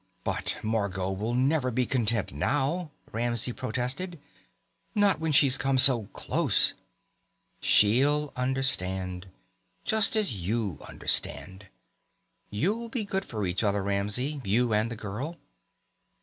"But Margot will never be content now," Ramsey protested. "Not when she's come so close." "She'll understand. Just as you understand. You'll be good for each other, Ramsey, you and the girl.